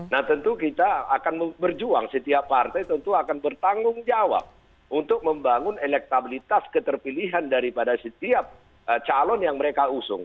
nah tentu kita akan berjuang setiap partai tentu akan bertanggung jawab untuk membangun elektabilitas keterpilihan daripada setiap calon yang mereka usung